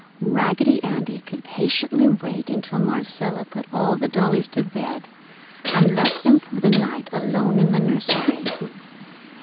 Raggedy Andy could patiently wait until Marcella put all the dollies to bed and left them for the night, alone in the nursery.